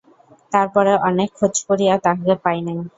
তার পরে অনেক খোঁজ করিয়া তাহাকে পায় নাই।